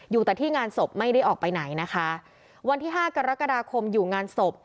อยู่แต่ที่งานศพไม่ได้ออกไปไหนนะคะวันที่ห้ากรกฎาคมอยู่งานศพ